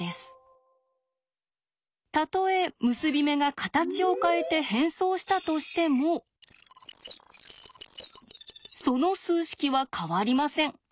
たとえ結び目が形を変えて変装したとしてもその数式は変わりません。